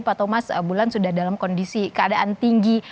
pak thomas bulan sudah dalam kondisi keadaan tinggi